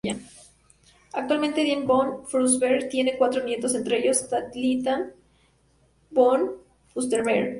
Actualmente Diane von Fürstenberg tiene cuatro nietos, entre ellos Talita von Fürstenberg.